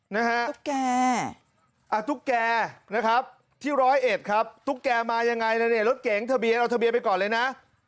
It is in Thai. นะฮะตุ๊กแกตุ๊กแกนะครับที่ร้อยเอ็ดครับตุ๊กแกมายังไงล่ะเนี่ยรถเก๋งทะเบียนเอาทะเบียนไปก่อนเลยนะ